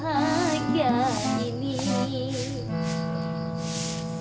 oh di luar